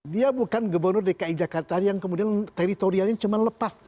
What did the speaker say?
dia bukan gubernur dki jakarta yang kemudian teritorialnya cuma lepas